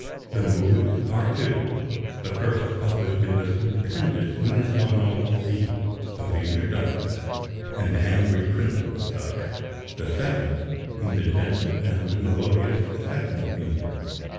The moods are two; the first is published in the stupendous unisono C of the introduction and the angry principal subject; the second, in the gentle and melodious second theme.